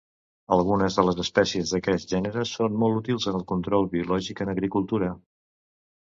Algunes de les espècies d'aquest gènere són molt útils en el control biològic en agricultura.